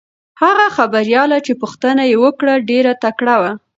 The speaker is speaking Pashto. هغه خبریاله چې پوښتنه یې وکړه ډېره تکړه وه.